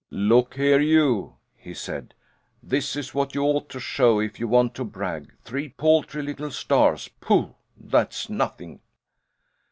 "Look here, you!" he said. "This is what you ought to show if you want to brag. Three paltry little stars pooh! that's nothing!"